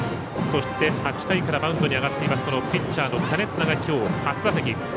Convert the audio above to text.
そして、８回からマウンドに上がっているピッチャーの金綱がきょう初打席。